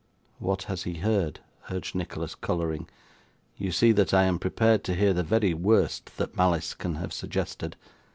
'What has he heard?' urged Nicholas, colouring. 'You see that I am prepared to hear the very worst that malice can have suggested.